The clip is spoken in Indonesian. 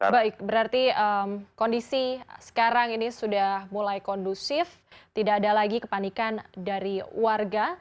baik berarti kondisi sekarang ini sudah mulai kondusif tidak ada lagi kepanikan dari warga